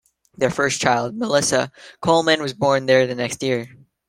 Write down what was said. Their first child, Melissa Coleman, was born there the next year.